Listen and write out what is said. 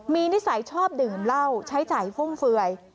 มีนิสัยชอบดื่มเหล้าใช้จ่ายฟุ่มเฟือย